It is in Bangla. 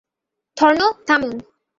থর্ন, থামুন!